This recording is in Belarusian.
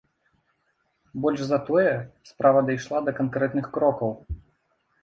Больш за тое, справа дайшла да канкрэтных крокаў.